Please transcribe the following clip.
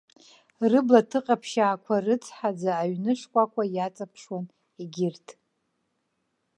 Рыбла ҭыҟаԥшьаақәа рыцҳаӡа аҩны шкәакәа иаҵаԥшуан, егьырҭ.